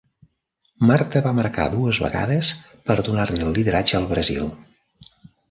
Marta va marcar dues vegades per donar-li el lideratge al Brasil.